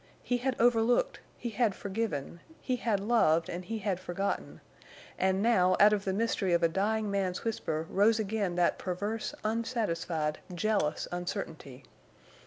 He had overlooked, he had forgiven, he had loved and he had forgotten; and now, out of the mystery of a dying man's whisper rose again that perverse, unsatisfied, jealous uncertainty.